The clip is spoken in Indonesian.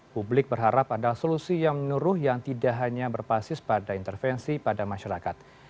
publik berharap ada solusi yang menurut yang tidak hanya berbasis pada intervensi pada masyarakat